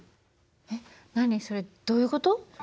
えっ何それどういう事？